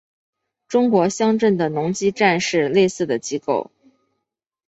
中国乡镇的农机站是类似的机构。